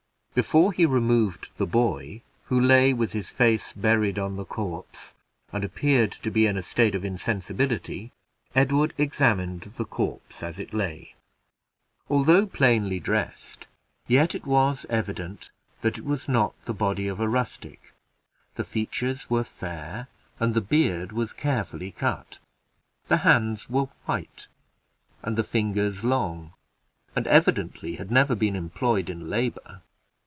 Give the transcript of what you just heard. Before he removed the boy, who lay with his face buried on the corpse, and appeared to be in a state of insensibility, Edward examined the corpse as it lay. Although plainly dressed, yet it was evident that it was not the body of a rustic; the features were fair, and the beard was carefully cut; the hands were white, and the fingers long, and evidently had never been employed in labor.